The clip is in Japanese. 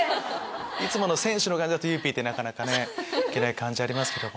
いつもの選手の感じだと「ゆいＰ」ってなかなかね行けない感じありますけども。